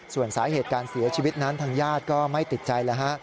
ส่วนสาเหตุการเสียชีวิตนั้นทางญาติก็ไม่ติดใจแล้วฮะ